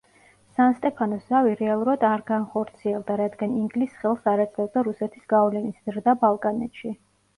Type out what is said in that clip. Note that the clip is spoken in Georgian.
სან-სტეფანოს ზავი რეალურად არ განხორციელდა, რადგან ინგლისს ხელს არ აძლევდა რუსეთის გავლენის ზრდა ბალკანეთში.